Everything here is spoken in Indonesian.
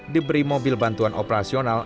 diberi mobil bantuan operasional